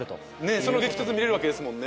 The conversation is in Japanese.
その激突見れるわけですもんね。